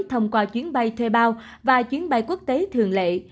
thông qua chuyến bay thuê bao và chuyến bay quốc tế thường lệ